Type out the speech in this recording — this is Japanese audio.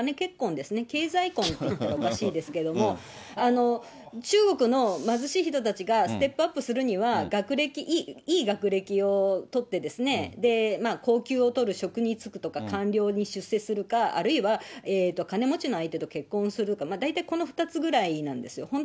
戸籍も重要な結婚条件ですし、いわゆるお金、ほとんどやっぱり、お金結婚ですね、経済婚って言ったらおかしいですけども、中国の貧しい人たちがステップアップするには、学歴、いい学歴を取ってですね、高給を取る職に就くとか、官僚に出世するか、あるいは金持ちの相手と結婚すること、大体この２つぐらいなんですよ。